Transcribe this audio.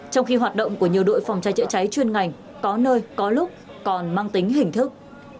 trong khi hoạt động của nhiều đội phòng trái trịa trái chuyên ngành có nơi có lúc còn mang tính hình thức